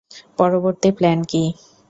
পরবর্তী প্লান কী?